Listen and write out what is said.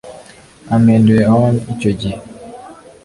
ampinduye honne icyo gihe